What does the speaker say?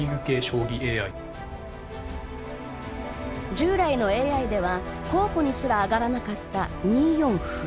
従来のＡＩでは、候補にすら挙がらなかった２四歩。